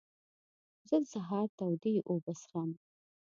زه د سهار تودې اوبه څښم.